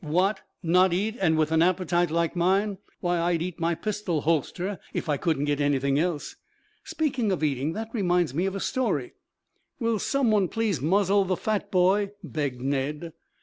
What, not eat, and with an appetite like mine? Why, I'd eat my pistol holster if I couldn't get anything else. Speaking of eating that reminds me of a story " "Will some one please muzzle the fat boy?" begged Ned.